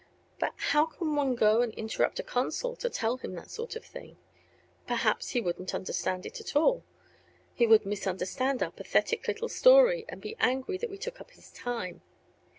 But how can one go and interrupt a consul to tell him that sort of thing? Perhaps he wouldn't understand it at all; he would misunderstand our pathetic little story and be angry that we took up his time.